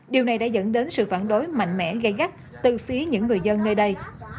điều này đã dẫn đến sự phản đối mạnh mẽ gây gắt từ phía những người dân nơi đây